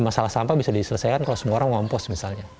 masalah sampah bisa diselesaikan kalau semua orang ngompos misalnya